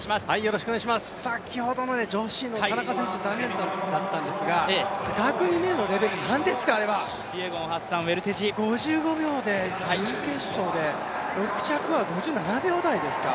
先ほどの女子の田中選手、残念だったんですが、２組目のレベル、なんですか、あれは５５秒で準決勝で、６着は５７秒台ですか。